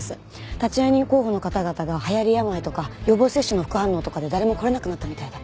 立会人候補の方々が流行り病とか予防接種の副反応とかで誰も来られなくなったみたいで。